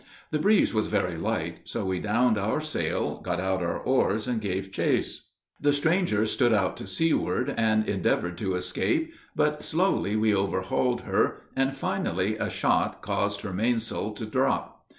The breeze was very light, so we downed our sail, got out our oars, and gave chase. The stranger stood out to seaward, and endeavored to escape; but slowly we overhauled her, and finally a shot caused her mainsail to drop.